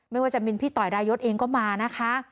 ไม่ว่าจะมินพี่ต่อยดายศเองก็มานะคะ